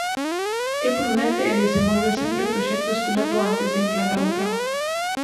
É prudente e desenvolve sempre proxectos piloto antes de implantar un plan.